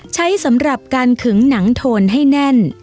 ใช้สำหรับการขึงหนังโทนให้แน่น